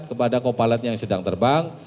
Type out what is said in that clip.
kepada co pilot yang sedang terbang